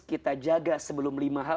kita jaga sebelum lima hal